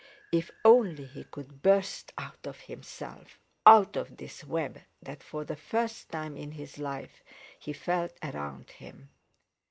If only he could burst out of himself, out of this web that for the first time in his life he felt around him.